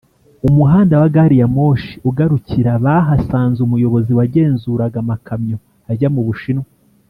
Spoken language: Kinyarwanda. umuhanda wa gari ya moshi ugarukira Bahasanze umuyobozi wagenzuraga amakamyo ajya mu Bushinwa